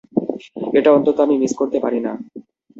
এটা অন্তত আমি মিস করতে পারি না!